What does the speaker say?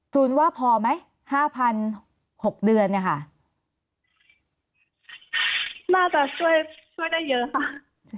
จูนว่าพอไหม๕๖เดือนเนี่ยค่ะน่าจะช่วยช่วยได้เยอะค่ะ